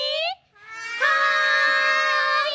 はい！